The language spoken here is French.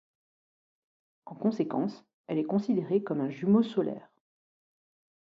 En conséquence, elle est considérée comme un jumeau solaire.